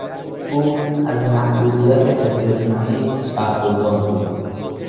او از محبوبیت استثنایی برخوردار بود.